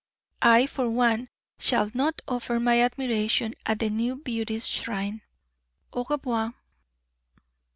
I, for one, shall not offer my admiration at the new beauty's shrine. _Au revoir.